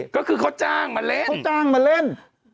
ก็คือเขาจ้างมาเล่น